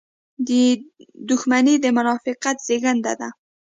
• دښمني د منافقت زېږنده ده.